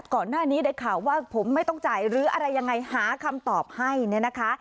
ก่อนหน้านี้ได้ข่าวว่าผมไม่ต้องจ่ายหรืออะไรยังไงหาคำตอบให้เนี่ยนะคะ